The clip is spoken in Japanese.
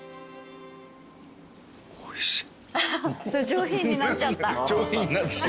上品になっちゃう。